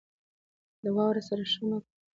ـ د واړه سره ښه مه کوه ،